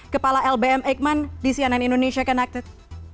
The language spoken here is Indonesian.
kepala lbm eijkman di cnn indonesia connected